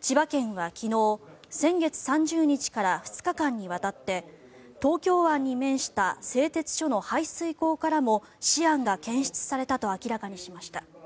千葉県は昨日先月３０日から２日間にわたって東京湾に面した製鉄所の排水口からもシアンが検出されたと明らかにしました。